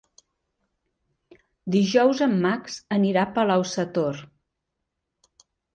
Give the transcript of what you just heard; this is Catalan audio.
Dijous en Max anirà a Palau-sator.